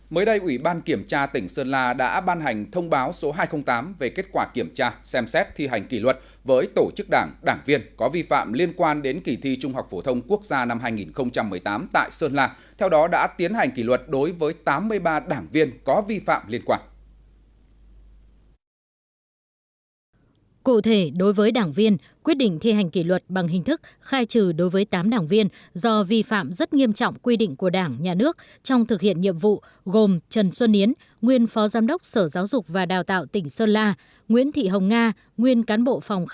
mới đây ủy ban kiểm tra tỉnh sơn la đã ban hành thông báo số hai trăm linh tám về kết quả kiểm tra xem xét thi hành kỷ luật với tổ chức đảng đảng viên có vi phạm liên quan đến kỳ thi trung học phổ thông quốc gia năm hai nghìn một mươi tám tại sơn la theo đó đã tiến hành kỷ luật đối với tám mươi ba đảng viên có vi phạm liên quan